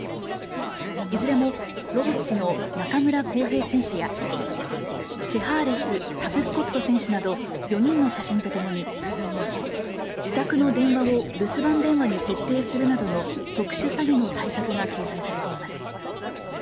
いずれもロボッツの中村功平選手やチェハーレス・タプスコット選手など４人の写真とともに自宅の電話を留守番電話に設定するなどの特殊詐欺の対策が掲載されています。